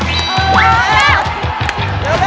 พร้อมแล้ว